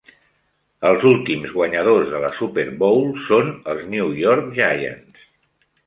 Els últims guanyadors de la Super Bowl són els New York Giants.